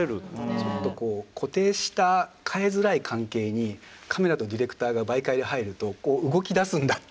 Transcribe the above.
ちょっとこう固定した変えづらい関係にカメラとディレクターが媒介で入るとこう動き出すんだっていう。